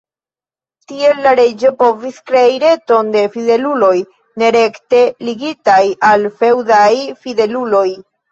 Tiel la reĝo povis krei reton de fideluloj ne rekte ligitaj al feŭdaj fideluloj.